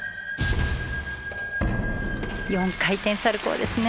４回転サルコウですね